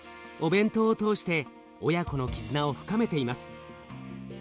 お弁当を通して親子の絆を深めています。